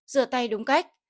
rửa tay đúng cách